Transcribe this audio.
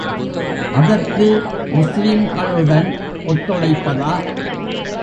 அதற்கு முஸ்லீம்களுடன் ஒத்துழைப்பதா?